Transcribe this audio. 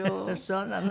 そうなの。